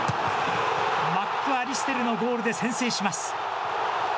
マック・アリステルのゴールで先制します。